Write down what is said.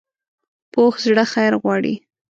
پوخ زړه خیر غواړي